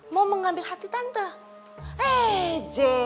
mau mengambil hati tante